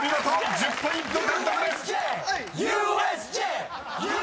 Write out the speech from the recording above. １０ポイント獲得です！］